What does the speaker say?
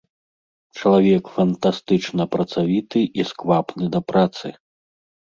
Чалавек фантастычна працавіты і сквапны да працы.